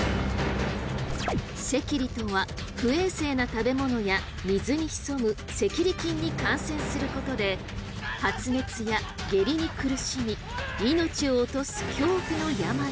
赤痢とは不衛生な食べ物や水に潜む赤痢菌に感染することで発熱や下痢に苦しみ命を落とす恐怖の病です。